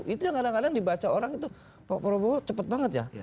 itu yang kadang kadang dibaca orang itu pak prabowo cepet banget ya